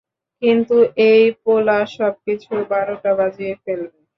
কিন্ত এই পোলা সবকিছুর বারোটা বাজিয়ে ফেলবে।